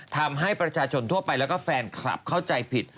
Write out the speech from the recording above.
ทำให้ประชาชนทั่วไปแล้วก็แฟนคลับเข้าใจผิด